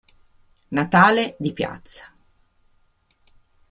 Natale Di Piazza